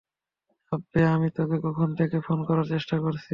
আব্বে, আমি তোকে কখন থেকে ফোন করার চেষ্টা করছি!